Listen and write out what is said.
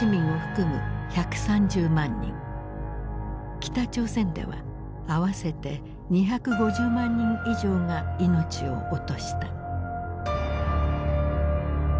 北朝鮮では合わせて２５０万人以上が命を落とした。